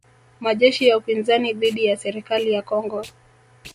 Majeshi ya upinzani dhidi ya serikali ya Kongo